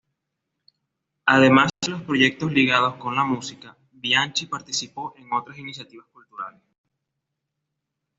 Además de los proyectos ligados con la música, Bianchi participó en otras iniciativas culturales.